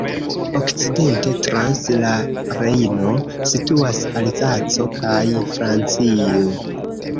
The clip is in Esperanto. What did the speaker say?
Okcidente, trans la Rejno, situas Alzaco kaj Francio.